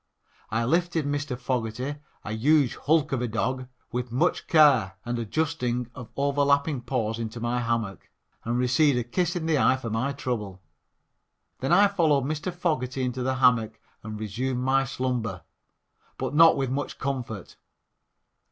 I lifted Mr. Fogerty, a huge hulk of a dog, with much care, and adjusting of overlapping paws into my hammock, and received a kiss in the eye for my trouble. Then I followed Mr. Fogerty into the hammock and resumed my slumber, but not with much comfort.